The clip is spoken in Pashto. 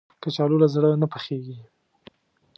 کچالو له زړه نه پخېږي